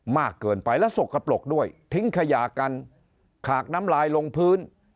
มากเกินไปแล้วสกปรกด้วยทิ้งขยะกันขากน้ำลายลงพื้น